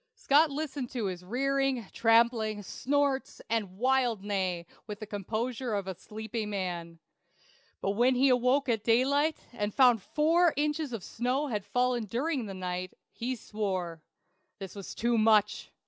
Scott listened to his rearing, trampling, snorts, and wild neigh with the composure of a sleepy man; but when he awoke at daylight, and found four inches of snow had fallen during the night, he swore. This was too much.